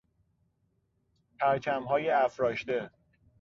پرچمهای افراشته